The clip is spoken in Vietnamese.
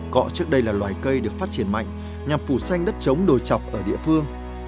cọ trước đây là loài cây được phát triển mạnh nhằm phủ xanh đất trống đồi chọc ở địa phương